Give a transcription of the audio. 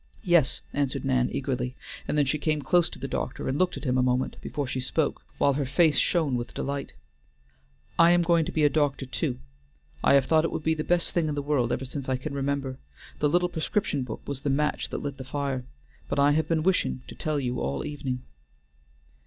"Yes," answered Nan eagerly, and then she came close to the doctor, and looked at him a moment before she spoke, while her face shone with delight. "I am going to be a doctor, too! I have thought it would be the best thing in the world ever since I can remember. The little prescription book was the match that lit the fire! but I have been wishing to tell you all the evening."